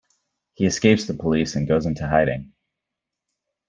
He escapes the police and goes into hiding.